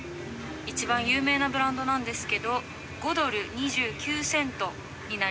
一番有名なブランドなんですけど。